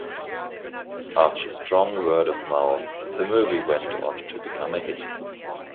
After strong word-of-mouth, the movie went on to become a hit.